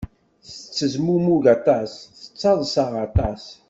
Tettezmumug aṭas, tettaḍsa aṭas.